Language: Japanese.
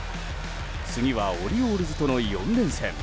次はオリオールズとの４連戦。